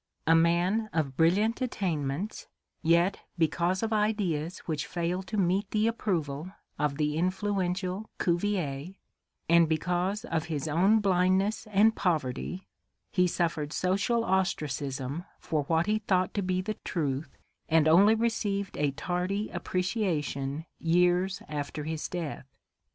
A man of brilliant attainments, yet because of ideas which failed to meet the approval of the influential Cuvier, and because of his own blind ness and poverty, he suffered social ostracism for what he thought to be the truth and only received a tardy appreciation years after his death.